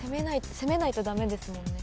攻めないとダメですもんね